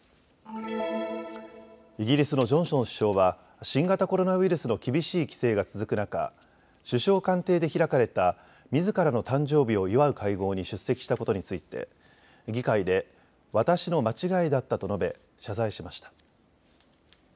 イギリスのジョンソン首相は新型コロナウイルスの厳しい規制が続く中、首相官邸で開かれたみずからの誕生日を祝う会合に出席したことについて議会で私の間違いだったと述べ謝罪しました。